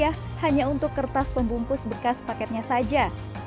hanya untuk kertas pembungkus bekas paketnya saja